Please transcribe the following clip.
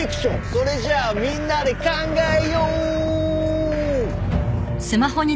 「それじゃあみんなで考えよう」